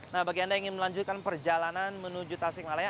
nah bagi anda yang ingin melanjutkan perjalanan menuju tasikmalaya